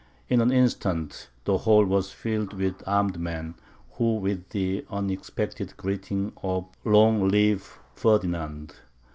In an instant, the hall was filled with armed men, who, with the unexpected greeting of "Long live Ferdinand!"